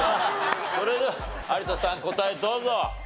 それでは有田さん答えどうそ。